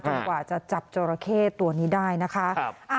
กว่าจะจับจอราเข้ตัวนี้ได้นะคะ